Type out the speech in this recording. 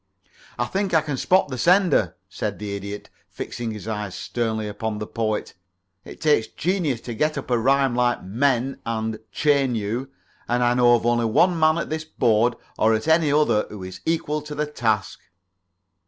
"I think I can spot the sender," said the Idiot, fixing his eyes sternly upon the Poet. "It takes genius to get up a rhyme like 'menu' and 'chain you,' and I know of only one man at this board or at any other who is equal to the task."